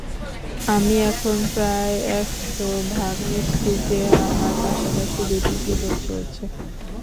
আমি এখন প্রায় এক শ ভাগ নিশ্চিত যে, আমার পাশাপাশি দুটি জীবন চলছে।